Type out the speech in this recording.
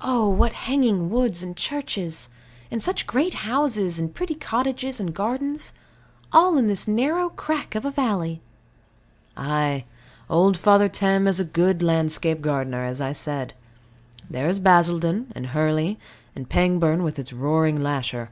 Oh, what hanging woods, and churches; and such great houses, and pretty cottages and gardens all in this narrow crack of a valley! Ay. Old Father Thames is a good landscape gardener, as I said. There is Basildon and Hurley and Pangbourne, with its roaring lasher.